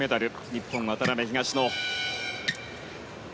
日本、渡辺、東野。